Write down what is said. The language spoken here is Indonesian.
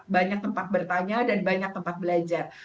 banyak tempat bertanya dan banyak tempat belajar